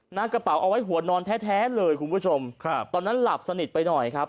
หน้ากระเป๋าเอาไว้หัวนอนแท้แท้เลยคุณผู้ชมครับตอนนั้นหลับสนิทไปหน่อยครับ